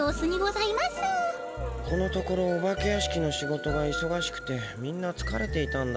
このところお化け屋敷の仕事がいそがしくてみんなつかれていたんだ。